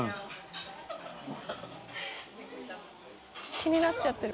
気になっちゃってる。